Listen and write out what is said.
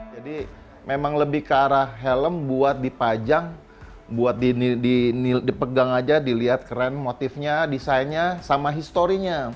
jadi memang lebih ke arah helm buat dipajang buat dipegang aja dilihat keren motifnya desainnya sama historinya